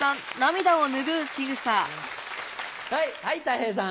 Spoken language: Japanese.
はいたい平さん。